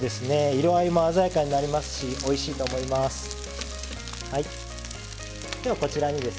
色合いも鮮やかになりますしおいしいと思います。